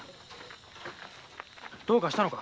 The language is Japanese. どうかしたのか？